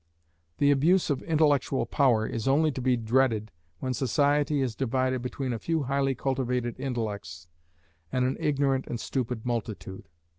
The abuse of intellectual power is only to be dreaded, when society is divided between a few highly cultivated intellects and an ignorant and stupid multitude.